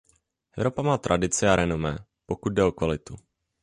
Evropa má tradici a renomé, pokud jde o kvalitu.